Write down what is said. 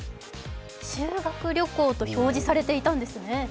「修学旅行」と表示されていたんですね。